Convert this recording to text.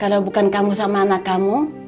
kalau bukan kamu sama anak kamu